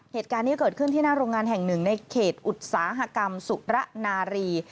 เหตุการณ์นี้เกิดขึ้นที่หน้าโรงงานแห่งหนึ่งในเขตอุตสาหกรรมสุระนารี